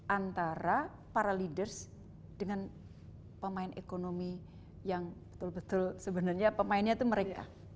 antara para leaders dengan pemain ekonomi yang betul betul sebenarnya pemainnya itu mereka